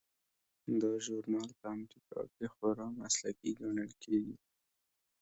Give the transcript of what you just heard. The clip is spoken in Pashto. دا ژورنال په امریکا کې خورا مسلکي ګڼل کیږي.